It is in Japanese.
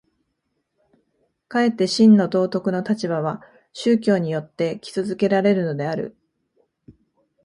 かえって真の道徳の立場は宗教によって基礎附けられるのである。